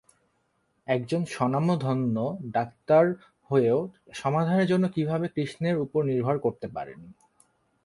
একজন স্বনামধন্য ডাক্তার হয়েও, সমাধানের জন্য কীভাবে কৃষ্ণের উপর নির্ভর করতে পারেন?